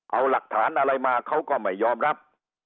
เอาหลักฐานอะไรมาเขาก็ไม่ยอมรับ